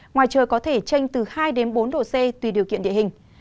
ngoài trời có thể tranh từ hai đến bốn độ c tùy điều kiện địa hình